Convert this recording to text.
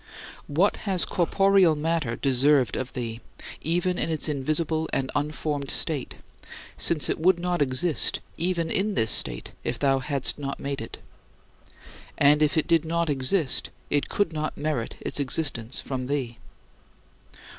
3. What has corporeal matter deserved of thee even in its invisible and unformed state since it would not exist even in this state if thou hadst not made it? And, if it did not exist, it could not merit its existence from thee.